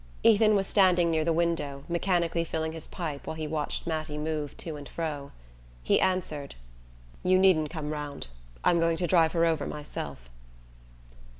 Ethan was standing near the window, mechanically filling his pipe while he watched Mattie move to and fro. He answered: "You needn't come round; I'm going to drive her over myself."